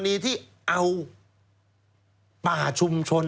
กรณีที่เอาป่าชุมชน